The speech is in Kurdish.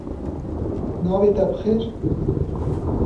Navê te bi xêr?